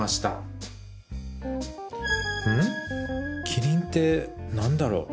「キリン」って何だろう？